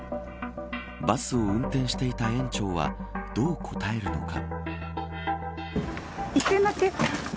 バスを運転していた園長はどう答えるのか。